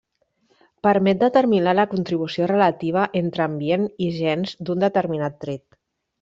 Permet determinar la contribució relativa entre ambient i gens d’un determinat tret.